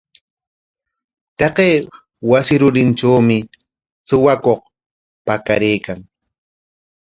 Taqay wasi rurintrawmi suwakuq pakaraykan.